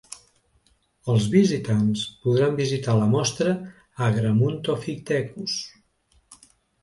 Els visitants podran visitar la mostra Agramuntophitecus.